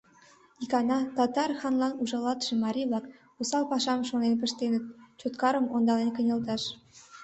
Икана татар ханлан ужалалтше марий-влак осал пашам шонен пыштеныт: Чоткарым ондален кынелташ.